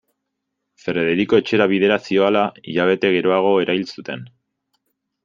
Frederiko etxera bidera zihoala, hilabete geroago, erail zuten.